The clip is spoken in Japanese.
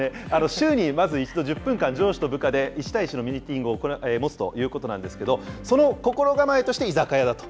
週にまず１度、１０分間、上司と部下で１対１のミーティングを持つということなんですけれども、その心構えとしていざかやだと。